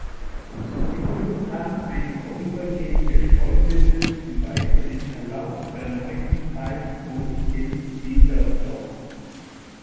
Hinzu kam ein vorübergehende Streubesitz, zum Beispiel in Calau, Werneuchen, Peitz und in Diedersdorf.